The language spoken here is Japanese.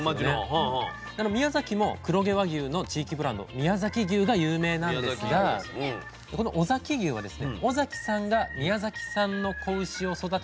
宮崎も黒毛和牛の地域ブランド宮崎牛が有名なんですがこの尾崎牛は尾崎さんが宮崎産の子牛を育てたから尾崎牛。